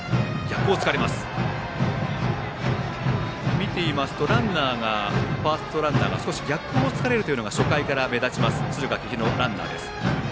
見ていますとファーストランナーが少し逆を突かれるのが初回から目立つ敦賀気比のランナーです。